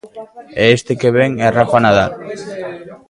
E este que ven é Rafa Nadal.